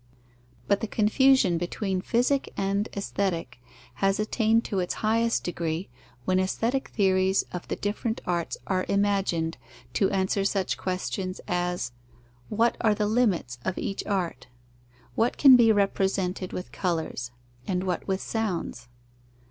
_ But the confusion between Physic and Aesthetic has attained to its highest degree, when aesthetic theories of the different arts are imagined, to answer such questions as: What are the limits of each art? What can be represented with colours, and what with sounds?